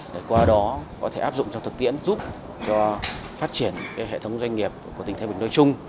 để qua đó có thể áp dụng trong thực tiễn giúp cho phát triển hệ thống doanh nghiệp của tỉnh thái bình nói chung